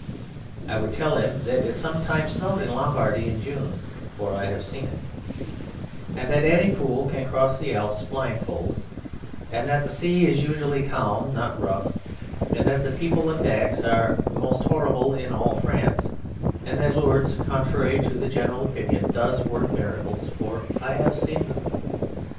I would tell him that it sometimes snowed in Lombardy in June, for I have seen it and that any fool can cross the Alps blindfold, and that the sea is usually calm, not rough, and that the people of Dax are the most horrible in all France, and that Lourdes, contrary to the general opinion, does work miracles, for I have seen them.